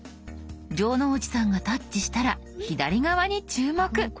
城之内さんがタッチしたら左側に注目。